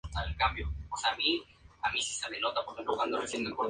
Sus creaciones son limitadas y muy caras.